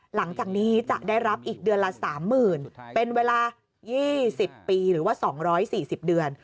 หลังจากนี้จะได้รับอีกเดือนละ๓๐๐๐เป็นเวลา๒๐ปีหรือว่า๒๔๐เดือน